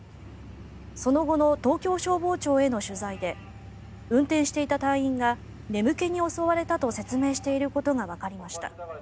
その後の東京消防庁への取材で運転していた隊員が眠気に襲われたと説明していることがわかりました。